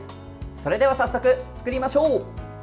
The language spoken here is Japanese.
それでは早速、作りましょう。